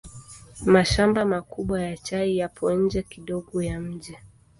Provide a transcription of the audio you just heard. Mashamba makubwa ya chai yapo nje kidogo ya mji.